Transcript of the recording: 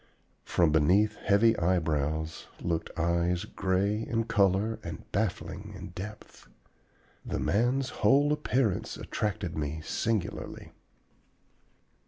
From beneath heavy eyebrows looked eyes gray in color and baffling in depth. The man's whole appearance attracted me singularly.